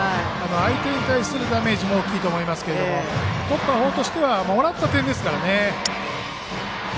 相手に対するダメージも大きいと思いますけども取った方としてはもらった点ですからね。